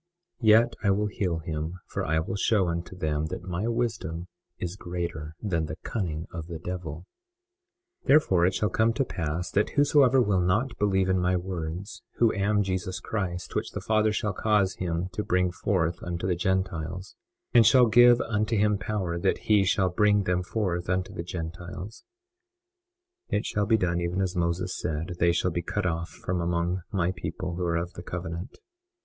Yet I will heal him, for I will show unto them that my wisdom is greater than the cunning of the devil. 21:11 Therefore it shall come to pass that whosoever will not believe in my words, who am Jesus Christ, which the Father shall cause him to bring forth unto the Gentiles, and shall give unto him power that he shall bring them forth unto the Gentiles, (it shall be done even as Moses said) they shall be cut off from among my people who are of the covenant.